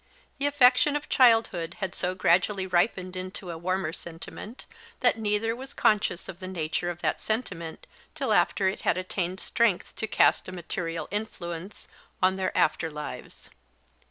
The affection of childhood had so gradually ripened into a warmer sentiment, that neither was conscious of the nature of that sentiment till after it had attained strength to cast a material influence on their after lives.